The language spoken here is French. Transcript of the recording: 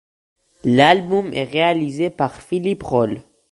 L'album est réalisé par Philippe Rault.